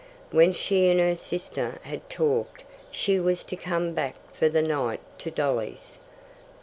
When she and her sister had talked she was to come back for the night to Dolly's.